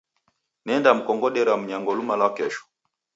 Nendamkongodera mnyango luma lwa kesho.